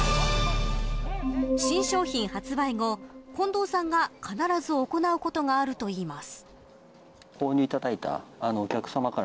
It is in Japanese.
新商品発売後近藤さんが必ず行うことがあるといいます。